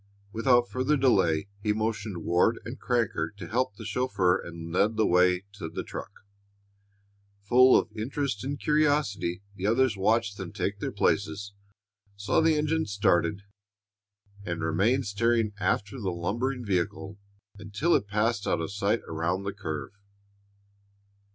Without further delay he motioned Ward and Crancher to help the chauffeur and led the way to the truck. Full of interest and curiosity, the others watched them take their places, saw the engine started, and remained staring after the lumbering vehicle until it had passed out of sight around the curve.